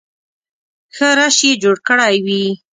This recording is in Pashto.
ښه رش یې جوړ کړی وي.